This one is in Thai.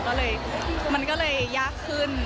ก็เลยมันก็เลยยากขึ้น